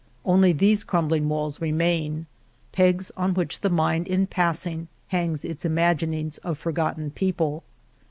Only these crumbling walls remain, pegs on which the mind in passing hangs its imaginings of forgotten people.